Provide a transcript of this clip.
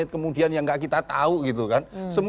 kemudian yang gak kita tahu gitu kan